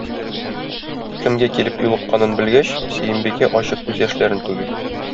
Кемгә килеп юлыкканын белгәч, Сөембикә ачы күз яшьләрен түгә.